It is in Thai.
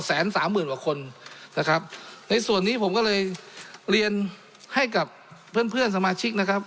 สามหมื่นกว่าคนนะครับในส่วนนี้ผมก็เลยเรียนให้กับเพื่อนเพื่อนสมาชิกนะครับ